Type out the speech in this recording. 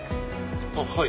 あっはい。